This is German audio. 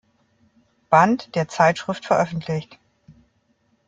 Band der Zeitschrift veröffentlicht.